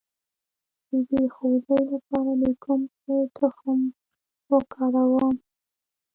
د بې خوبۍ لپاره د کوم شي تخم وکاروم؟